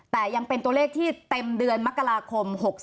แต่ยังเป็นตัวเลขที่เต็มเดือนมกราคม๖๓